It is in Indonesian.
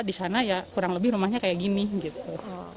di sana ya kurang lebih rumahnya kayak gini gitu